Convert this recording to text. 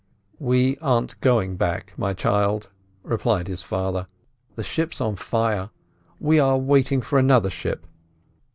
"We aren't going back, my child," replied his father. "The ship's on fire; we are waiting for another ship."